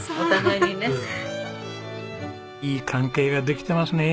いい関係ができてますね。